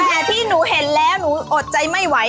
แต่ที่หนูเห็นแล้วหนูอดใจไม่ไหว